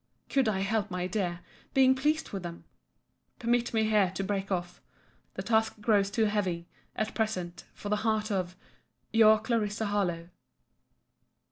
Could I help, my dear, being pleased with them?— Permit me here to break off. The task grows too heavy, at present, for the heart of Your CLARISSA HARLOWE.